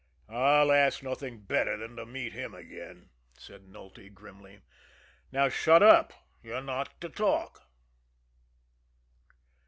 "I'd ask nothing better than to meet him again," said Nulty grimly. "Now, shut up you're not to talk."